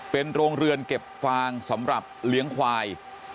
เป็นโรงเรือนเก็บฟางสำหรับเลี้ยงควาย